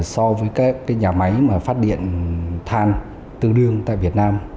so với các nhà máy mà phát điện than tương đương tại việt nam